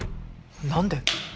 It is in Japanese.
何で？